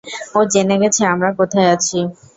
ও জেনে গেছে আমরা কোথায় আছি!